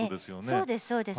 そうですそうです。